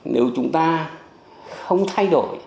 nếu chúng ta không thay đổi